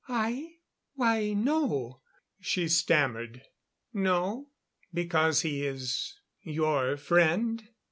"I why no," she stammered. "No? Because he is your friend?"